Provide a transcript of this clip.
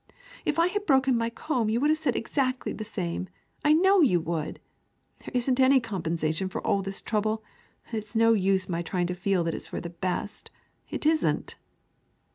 "If I had broken my comb, you would have said exactly the same, I know you would! There isn't any compensation at all for this trouble, and it's no use my trying to feel that it's for the best, it isn't."